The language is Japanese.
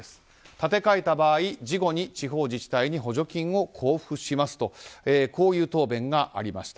立て替えた場合事後に地方自治体に補助金を交付しますとこういう答弁がありました。